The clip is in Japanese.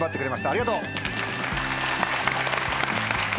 ありがとう！